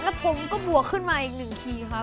แล้วผมก็บวกขึ้นมาอีกหนึ่งทีครับ